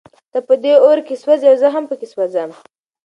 ته په دې اور کې سوزې او زه هم پکې سوزم.